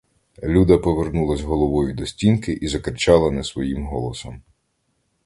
Люда повернулась головою до стінки і закричала не своїм голосом.